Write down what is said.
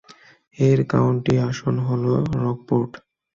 এর কাউন্টি আসন হল রকপোর্ট।